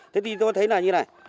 thế thì tôi thấy là như này